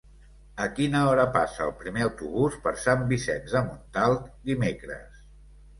A quina hora passa el primer autobús per Sant Vicenç de Montalt dimecres?